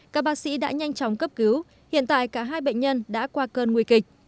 các bác sĩ đã nhanh chóng cấp cứu hiện tại cả hai bệnh nhân đã qua cơn nguy kịch